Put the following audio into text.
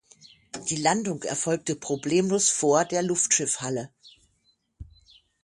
Die Landung erfolgte problemlos vor der Luftschiffhalle.